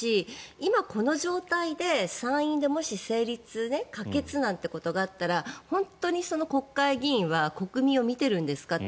今この状態で参院で、もし成立・可決なんてことあったら本当にその国会議員は国民を見てるんですかって